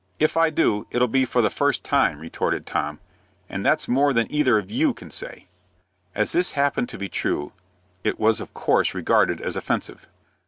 "If I do, it'll be for the first time," retorted Tom; "and that's more than either of you can say." As this happened to be true, it was of course regarded as offensive.